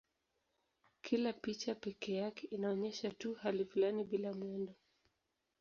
Kila picha pekee yake inaonyesha tu hali fulani bila mwendo.